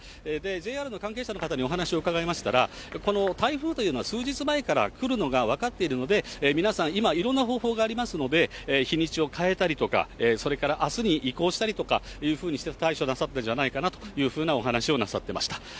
ＪＲの関係者の方にお話を伺いましたら、この台風というのは数日前から来るのが分かっているので、皆さん、今、いろんな方法がありますので、日にちを変えたりとか、それからあすに移行したりとかいうふうにして対処なさったんじゃないかなというふうなお話をなさってました。